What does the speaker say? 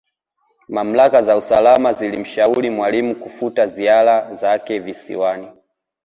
Mamlaka za usalama zilimshauri Mwalimu kufuta ziara zake Visiwani